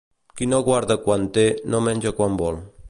Qui no guarda quan té, no menja quan vol.